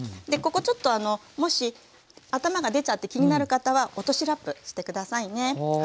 でここちょっともし頭が出ちゃって気になる方は落としラップして下さいね。